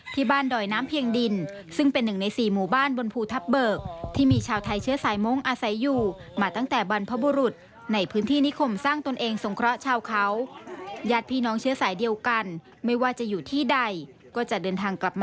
ติดตามเรื่องนี้จากรายงานครับ